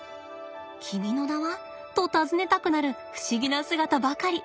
君の名は？と尋ねたくなる不思議な姿ばかり。